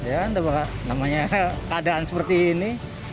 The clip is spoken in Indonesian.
ya udah bahkan namanya keadaan seperti ini